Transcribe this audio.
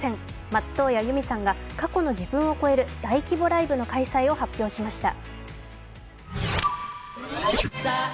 松任谷由実さんが過去の自分を超える大規模ライブの開催を発表しました。